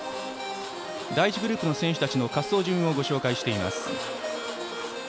第１グループの選手たち滑走順をご紹介します。